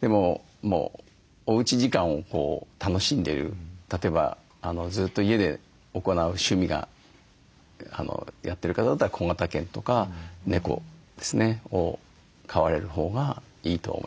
でもおうち時間を楽しんでる例えばずっと家で行う趣味がやってる方だったら小型犬とか猫ですねを飼われるほうがいいとは思います。